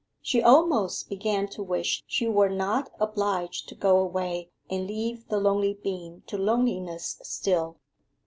She almost began to wish she were not obliged to go away and leave the lonely being to loneliness still.